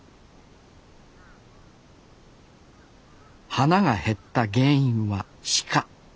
花が減った原因は鹿。